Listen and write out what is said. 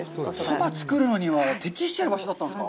そばを作るのに適してる場所だったんですか。